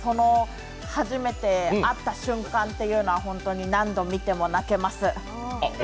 初めて会った瞬間というのは何度見ても泣けます。